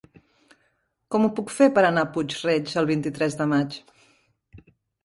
Com ho puc fer per anar a Puig-reig el vint-i-tres de maig?